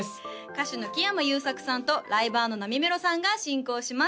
歌手の木山裕策さんとライバーのなみめろさんが進行します